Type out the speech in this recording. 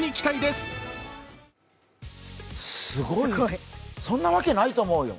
すごい、そんな訳ないと思うよ。